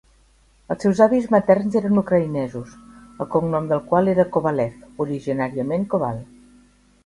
Els seus avis materns eren ucraïnesos, el cognom del qual era Kovalev, originàriament Koval.